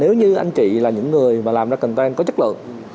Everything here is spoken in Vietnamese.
nếu như anh chị là những người mà làm ra content có chất lượng